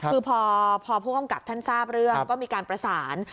คือพอผู้กำกับท่านทราบเรื่องก็มีการประสาน